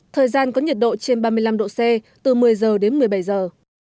thời gian có nhiệt độ trên ba mươi năm độ c từ một mươi giờ đến một mươi bảy giờ